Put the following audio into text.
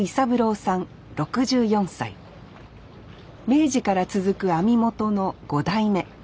明治から続く網元の５代目。